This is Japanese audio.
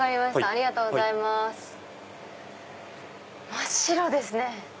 真っ白ですね！